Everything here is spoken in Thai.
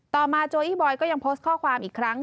ต่อมาโจอี้บอยก็ยังโพสต์ข้อความอีกครั้ง